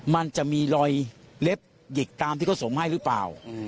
มันจะมีรอยเล็บหยิกตามที่เขาส่งให้หรือเปล่า